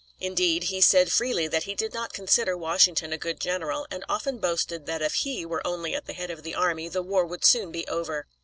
Indeed, he said freely that he did not consider Washington a good general, and often boasted that if he were only at the head of the army the war would soon be over.